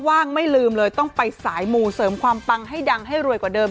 ว่างไม่ลืมเลยต้องไปสายมูเสริมความปังให้ดังให้รวยกว่าเดิม